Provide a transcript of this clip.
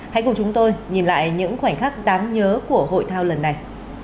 hãy cùng chúng tôi nhìn lại những khoảnh khắc đáng nhớ của hội thao lần này